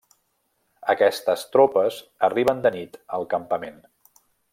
Aquestes tropes arriben de nit al campament.